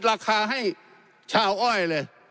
ราคาให้ชาวอ้อยเลย